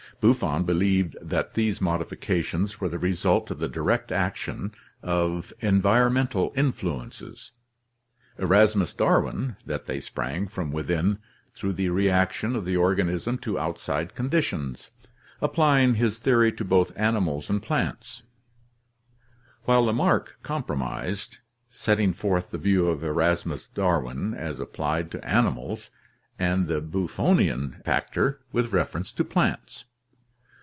Buffon believed that these modifications were the result of the direct action of environmental influences; Erasmus Darwin that they sprang from within through the reaction of the organism to outside conditions, applying his theory to both animals and plants; while Lamarck compromised, setting forth the view of Erasmus Darwin as applied to animals and the Buffonian factor with refer ence to plants.